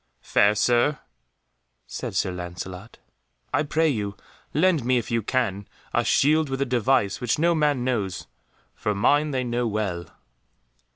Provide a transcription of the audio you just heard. "Fair Sir," said Sir Lancelot, "I pray you lend me, if you can, a shield with a device which no man knows, for mine they know well."